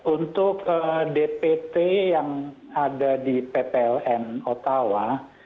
untuk dpt yang ada di ppln ottawa